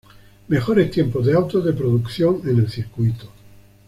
Mejores tiempos de autos de producción en el circuito.